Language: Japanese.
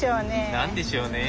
何でしょうねえ？